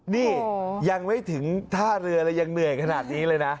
นี่ยังไม่ถึงท่าเรือเลยยังเหนื่อยขนาดนี้เลยนะ